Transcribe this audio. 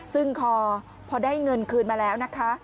ซึ่งพอได้เงินคืนมาแล้วนะคะ